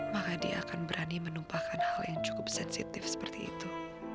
maka dia akan berani menumpahkan hal yang cukup sensitif seperti itu